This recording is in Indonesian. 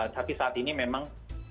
tapi saat ini memang